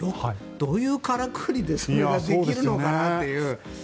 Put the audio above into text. どういうからくりでできるのかなっていう。